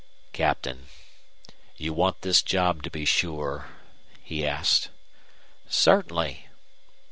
"Captain, you want this job to be sure?" he asked. "Certainly."